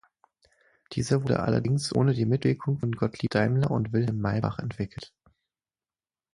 Dieser wurde allerdings ohne die Mitwirkung von Gottlieb Daimler und Wilhelm Maybach entwickelt.